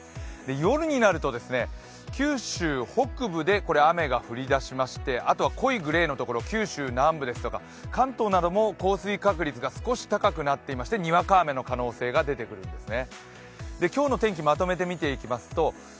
夜になると九州北部で雨が降り出しましてあとは濃いグレーのところ九州南部ですとか関東なども降水確率が少し高くなっていましてにわか雨の可能性が出てくるんですね。